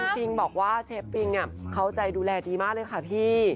จริงบอกว่าเชฟปิงเขาใจดูแลดีมากเลยค่ะพี่